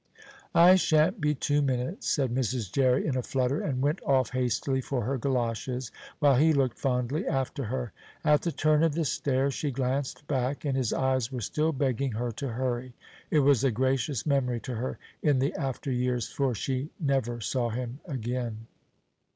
"I sha'n't be two minutes," said Mrs. Jerry, in a flutter, and went off hastily for her goloshes, while he looked fondly after her. At the turn of the stair she glanced back, and his eyes were still begging her to hurry. It was a gracious memory to her in the after years, for she never saw him again.